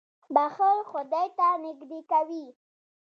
• بښل خدای ته نېږدې کوي.